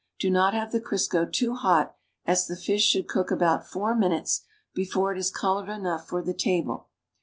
Do not have the Crisco too hot as the fish should cook about four minutes before it is colored enough for the table.